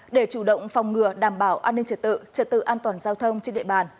để chủ động phòng ngừa đảm bảo an ninh trật tự trật tự an toàn giao thông trên địa bàn